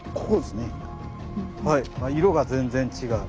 色が全然違う。